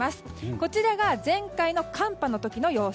こちらが前回の寒波の時の様子。